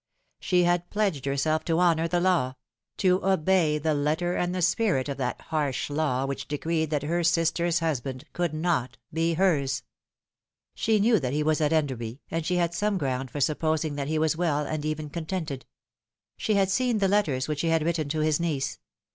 She had pledged herself to honour the law ; to obey the letter and the spirit of that harsh law which decreed that her sister's husband could not be hers. She knew that he was at Enderby, and she had some ground for supposing that he was well, and even contented. She had seen the letters which he had written to his niece.